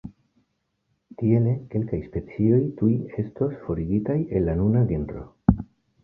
Tiele, kelkaj specioj tuj estu forigitaj el la nuna genro.